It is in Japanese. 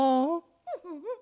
フフフ。